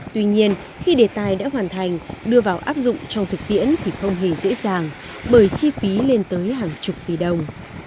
tuy nhiên khi đề tài đã hoàn thành đưa vào áp dụng trong thực tiễn thì không hề dễ dàng bởi chi phí lên tới hàng chục tỷ đồng